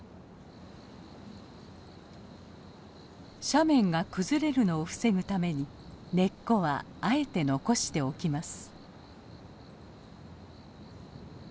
斜面が崩れるのを防ぐために根っこはあえて残しておきます。